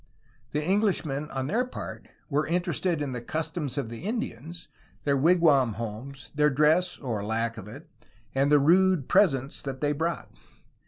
The Englishmen on their part were interested in the customs of the Indians, their wigwam homes, their dress (or lack of it), and the rude presents that they brought.